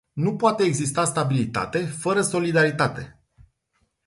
Nu poate exista stabilitate fără solidaritate.